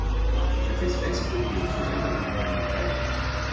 Cette espèce peuple les forêts notamment en montagne.